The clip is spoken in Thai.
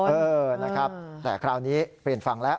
เออนะครับแต่คราวนี้เปลี่ยนฟังแล้ว